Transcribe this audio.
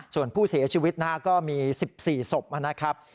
ส่วนผู้เสียชีวิตนะฮะก็มี๑๔ศพนะครับ